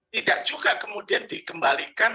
tidak juga kemudian dikembalikan